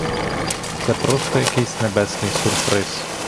Це просто якийсь небесний сюрприз!